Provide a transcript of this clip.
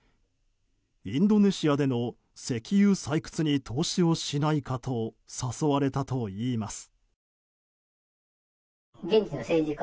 インドネシアでの石油採掘に投資をしないかと誘われたといいます。